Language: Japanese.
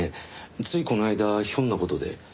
ついこの間ひょんな事で。